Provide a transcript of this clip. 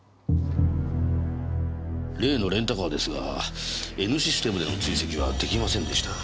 例のレンタカーですがＮシステムでの追跡はできませんでした。